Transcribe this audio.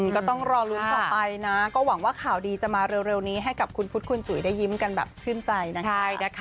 ก็ต้องรอลุ้นต่อไปนะก็หวังว่าข่าวดีจะมาเร็วนี้ให้กับคุณพุทธคุณจุ๋ยได้ยิ้มกันแบบชื่นใจนะคะ